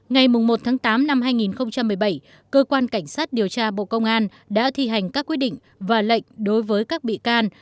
ngày một tám hai nghìn một mươi bảy cơ quan cảnh sát điều tra bộ công an đã thi hành các quyết định và lệnh đối với các bị can